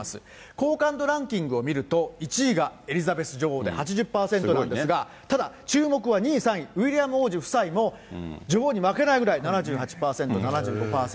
好感度ランキングを見ると、１位がエリザベス女王で８０％なんですが、ただ、注目は２位、３位、ウィリアム王子夫妻の女王に負けないぐらい、７８％、７５％。